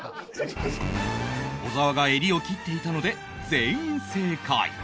小沢が襟を切っていたので全員正解